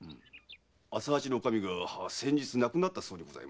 浅八のおかみが先日亡くなったそうにございます。